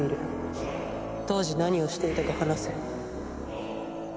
当時何をしていたか話せ。